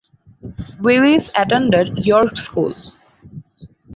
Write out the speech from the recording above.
Willis attended York School.